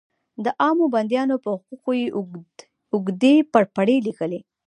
د عامو بندیانو په حقوقو یې اوږدې پرپړې لیکلې.